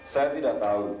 saya tidak tahu